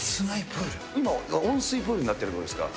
今、温水プールになってるっていうことですか？